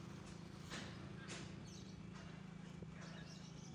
V České republice roste jako původní rostlina jen na jižní Moravě.